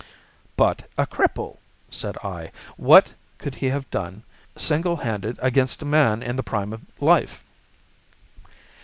"But a cripple!" said I. "What could he have done single handed against a man in the prime of life?"